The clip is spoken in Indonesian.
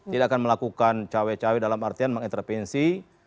tidak akan melakukan cawe cawe dalam artian mengintervensi